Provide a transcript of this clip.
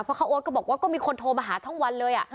เพราะข้าวโอ๊ตก็บอกว่าก็มีคนโทรมาหาทั้งวันเลย